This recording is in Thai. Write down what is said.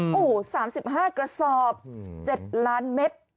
โอ้โห๓๕กระสอบ๗ล้านเมตร